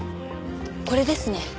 これですね。